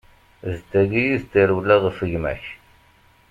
D tagi i tarewla ɣef gma-k.